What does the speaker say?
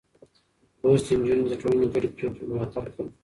لوستې نجونې د ټولنې ګډې پرېکړې ملاتړ کوي.